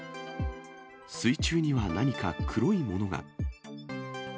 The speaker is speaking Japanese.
水中には何か黒いものが。